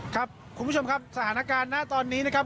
ครับคุณผู้ชมครับสถานการณ์ณตอนนี้นะครับ